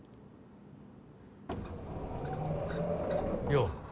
よう。